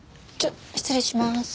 ちょ失礼します。